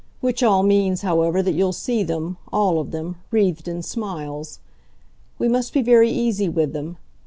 Which all means, however, that you'll see them, all of them, wreathed in smiles. We must be very easy with them.